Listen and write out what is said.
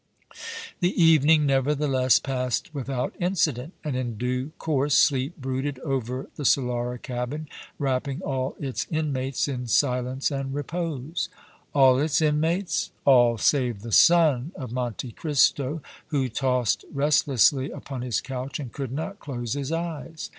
The evening, nevertheless, passed without incident, and in due course sleep brooded over the Solara cabin, wrapping all its inmates in silence and repose. All its inmates? All save the son of Monte Cristo, who tossed restlessly upon his couch and could not close his eyes.